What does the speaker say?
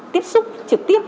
tiếp xúc trực tiếp